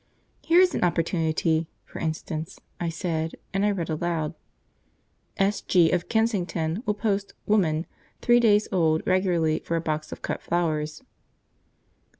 "Here is an opportunity, for instance," I said, and I read aloud "'S.G., of Kensington, will post "Woman" three days old regularly for a box of cut flowers.'"